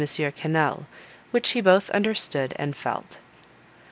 Quesnel, which he both understood and felt.